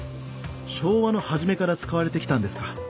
昭和の初めから使われてきたんですか。